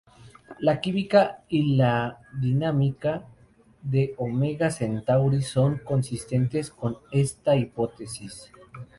La química y la dinámica de Omega Centauri son consistentes con esta hipótesis.